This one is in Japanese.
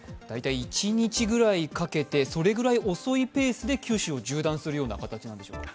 一日くらいかけてそのくらい遅いペースで九州を縦断するようなペースなんでしょうか。